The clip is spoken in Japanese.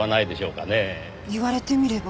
言われてみれば。